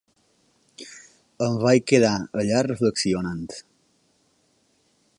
Em vaig quedar allà reflexionant.